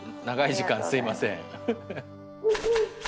長い時間すいません。